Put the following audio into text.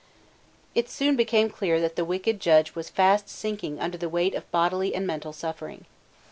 It soon became clear that the wicked judge was fast sinking under the weight of bodily and mental suffering.